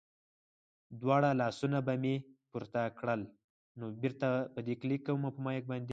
دواړه لاسونه به مې پورته کړل.